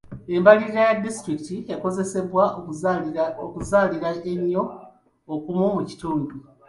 Embalirira ya disitulikiti ekosebwa okuzaalira ennyo okumu mu kitundu.